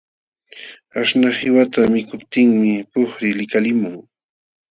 Aśhnaq qiwata mikuptinmi puqri likalimun.